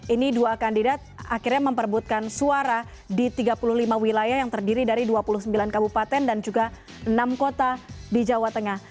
ini dua kandidat akhirnya memperbutkan suara di tiga puluh lima wilayah yang terdiri dari dua puluh sembilan kabupaten dan juga enam kota di jawa tengah